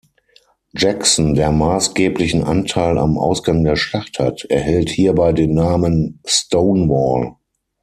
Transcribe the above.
Jackson, der maßgeblichen Anteil am Ausgang der Schlacht hat, erhält hierbei den Namen "Stonewall".